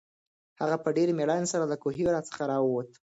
هغه په ډېرې مېړانې سره له کوهي څخه راووت.